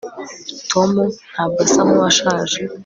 tom ntabwo asa nkuwashaje